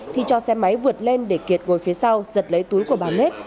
thì cho xe máy vượt lên để kiệt ngồi phía sau giật lấy túi của bà nết